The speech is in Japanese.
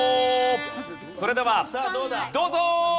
それではどうぞ。